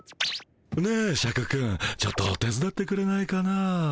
ねえシャクくんちょっと手伝ってくれないかな？